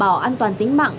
để đảm bảo an toàn tính mạng